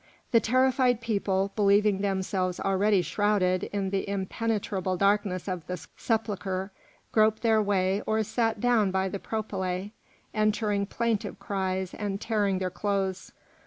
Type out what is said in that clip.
The terrified people, believing themselves already shrouded in the impenetrable darkness of the sepulchre, groped their way or sat down by the propylæa, uttering plaintive cries and tearing their clothes.